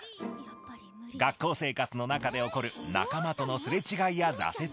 学校生活の中で起こる仲間とのすれ違いや挫折。